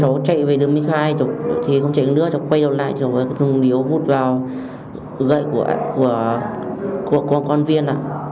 cháu chạy về đường hai mươi hai cháu quay lại cháu dùng điếu vút vào gậy của con viên